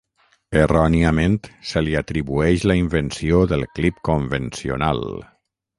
Erròniament se li atribueix la invenció del clip convencional.